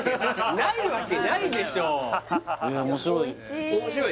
ないわけないでしょういや